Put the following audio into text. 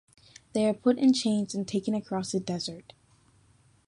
They are put in chains and taken across a desert.